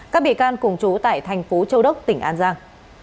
các bị can cùng chú tại thành phố châu đốc tỉnh an giang